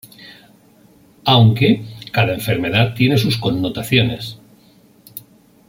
Aunque, cada enfermedad tiene sus connotaciones.